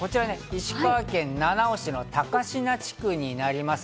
石川県七尾市の高階地区になります。